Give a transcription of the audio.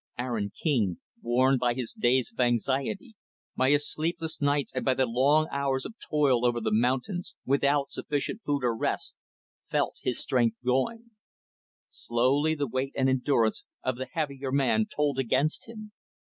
Aaron King worn by his days of anxiety, by his sleepless nights and by the long hours of toil over the mountains, without sufficient food or rest felt his strength going. Slowly, the weight and endurance of the heavier man told against him.